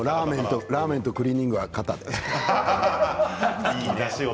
ラーメンとクリーニングは肩よ。